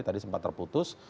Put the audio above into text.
tadi sempat terputus